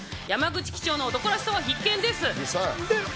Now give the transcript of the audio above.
山口機長の男らしさは必見です。